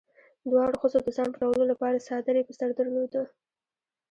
دواړو ښځو د ځان پټولو لپاره څادري په سر درلوده.